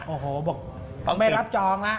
โอ้โหไม่รับจองละ